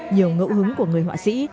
nhiều ngẫu hứng của người họa sĩ